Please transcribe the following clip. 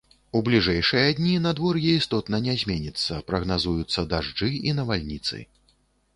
У бліжэйшыя дні надвор'е істотна не зменіцца, прагназуюцца дажджы і навальніцы.